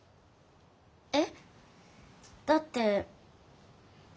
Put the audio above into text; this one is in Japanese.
えっ？だって。